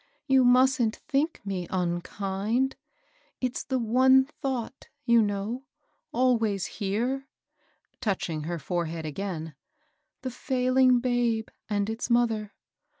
You mustn't think me unkind ; it's the one thought^ you know, always Aere," touching her forehead again, —*' the failing babe and its mother.